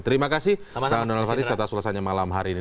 terima kasih pak donald faris atas ulasannya malam hari ini